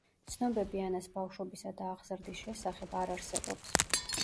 ცნობები ანას ბავშვობისა და აღზრდის შესახებ არ არსებობს.